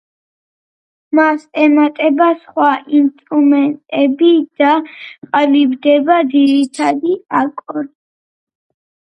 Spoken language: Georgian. მას ემატება სხვა ინსტრუმენტები და ყალიბდება ძირითადი აკორდები.